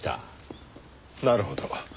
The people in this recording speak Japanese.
なるほど。